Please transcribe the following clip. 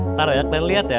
ntar ya kalian lihat ya